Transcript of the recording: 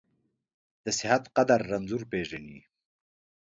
د صحت قدر رنځور پېژني.